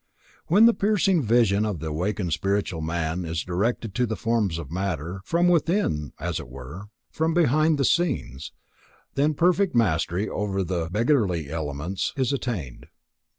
When the piercing vision of the awakened spiritual man is directed to the forms of matter, from within, as it were, from behind the scenes, then perfect mastery over the "beggarly elements" is attained.